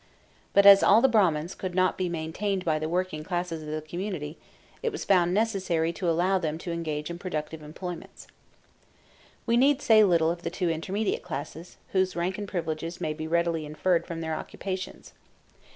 But as all the Brahmans could not be maintained by the working classes of the community, it was found necessary to allow them to engage in productive employments. We need say little of the two intermediate classes, whose rank and privileges may be readily inferred from their occupations.